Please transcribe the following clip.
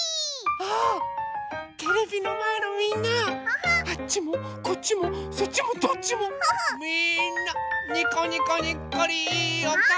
あテレビのまえのみんなあっちもこっちもそっちもどっちもみんなにこにこにっこりいいおかお。